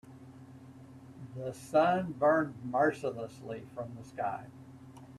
The sun burned mercilessly from the sky.